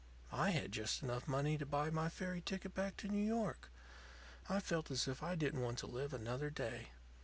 "I had just enough money to buy my ferry ticket back to New York. I felt as if I didn't want to live another day.